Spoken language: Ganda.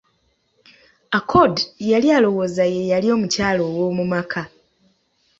Accord yali alowooza ye yali omukyala owoomu maka.